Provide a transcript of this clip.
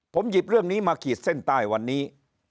ผมหยิบเรื่องนี้มาขีดเส้นใต้วันนี้